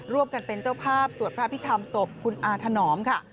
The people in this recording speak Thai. ร่วมกันเป็นเจ้าภาพสวัสดิ์พระพิธามศพคุณอาถนอมค่ะ